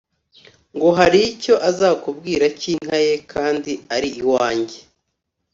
ngo hari icyo azakubwira cy’inka ye, kandi ari iwanjye.’